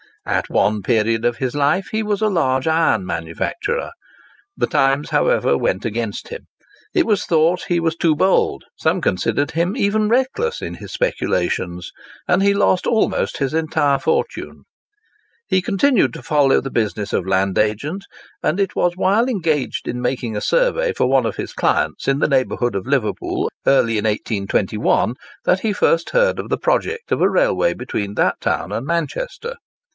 At one period of his life he was a large iron manufacturer. The times, however, went against him. It was thought he was too bold, some considered him even reckless, in his speculations; and he lost almost his entire fortune. He continued to follow the business of a land agent, and it was while engaged in making a survey for one of his clients in the neighbourhood of Liverpool early in 1821, that he first heard of the project of a railway between that town and Manchester.